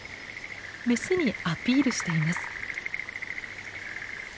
メスにアピールしています。